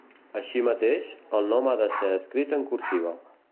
Així mateix, el nom ha de ser escrit en cursiva.